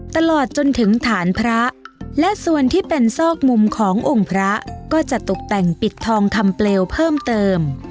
ตลอดจนถึงฐานพระและส่วนที่เป็นซอกมุมขององค์พระก็จะตกแต่งปิดทองคำเปลวเพิ่มเติม